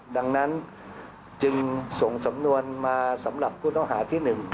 ดังนั้นจึงส่งสำนวนมาสำหรับผู้ต้องหาที่๑